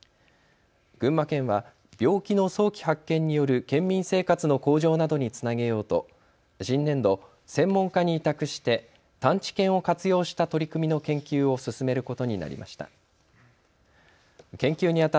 群馬県は病気の早期発見による県民生活の向上などにつなげようと新年度、専門家に委託して探知犬を活用した取り組みの研究を進めることになりました。